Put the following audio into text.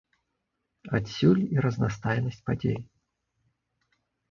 Адсюль і разнастайнасць падзей.